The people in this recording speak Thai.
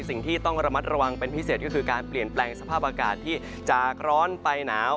สิ่งที่ต้องระมัดระวังเป็นพิเศษก็คือการเปลี่ยนแปลงสภาพอากาศที่จากร้อนไปหนาว